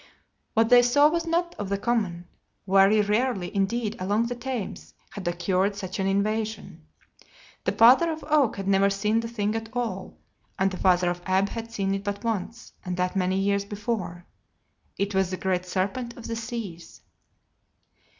What they saw was not of the common. Very rarely indeed, along the Thames, had occurred such an invasion. The father of Oak had never seen the thing at all, and the father of Ab had seen it but once, and that many years before. It was the great serpent of the seas!